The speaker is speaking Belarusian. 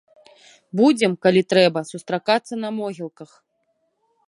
Будзем, калі трэба, сустракацца на могілках.